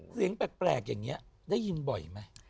เสียงแปลกอย่างนี้ได้ยินบ่อยไหม